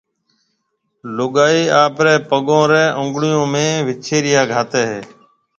لوگائي آپريَ پگون ريَ اونگڙيون ۾ وِڇيريا گھاتيَ ھيَََ